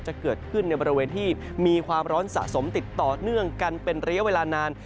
จะเกิดขึ้นในบริเวณที่มีความร้อนสะสมติดต่อเนื่องกันเป็นระยะเวลานาน